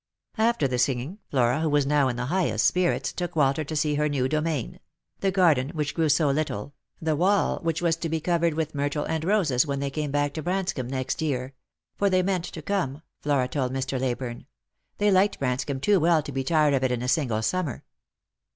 After the singing, Flora, who was now in the highest spirits, took "Walter to see her new domain — the garden which grew so little, the wall which was to be covered with myrtle and roses when they came back to Branscomb next year ; for they meant to come, Flora told Mr. Leyburne ; they liked Branscomb too well to be tired of it in a single summer.